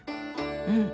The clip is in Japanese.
うん。